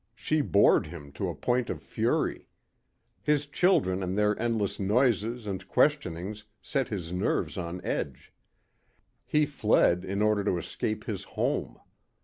She bored him to a point of fury. His children and their endless noises and questionings set his nerves on edge. He fled in order to escape his home.